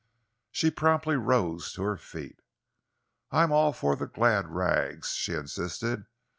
She rose promptly to her feet. "I'm all for the glad rags," she insisted.